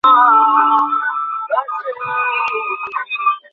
তিনি তার দাদা-দাদীর কাছে চলে আসেন।